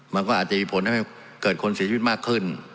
มันก็อาจจะมีผลทำให้เกิดคนเสียชีวิตมากขึ้น